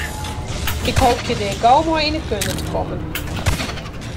Ik hoopje dêr gau mei yn de kunde te kommen.